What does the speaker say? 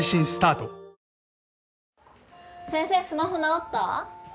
先生スマホ直った？